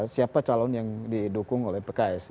siapa calon yang didukung oleh pks